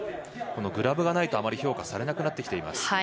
グラブがないと、あまり評価されなくなってきています。